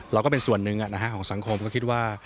ก็เป็นส่วนหนึ่งของสังคมก็คิดว่า